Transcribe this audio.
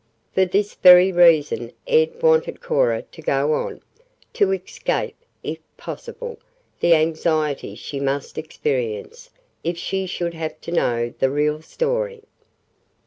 For this very reason Ed wanted Cora to go on to escape, if possible, the anxiety she must experience if she should have to know the real story.